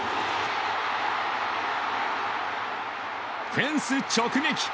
フェンス直撃！